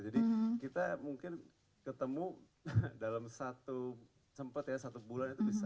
kita mungkin ketemu dalam satu cepat ya satu bulan itu bisa